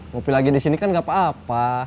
ngopi lagi di sini kan gak apa apa